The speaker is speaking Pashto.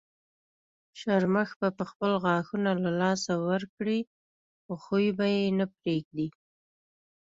شرمښ به خپل غاښونه له لاسه ورکړي خو خوی به یې نه پرېږدي.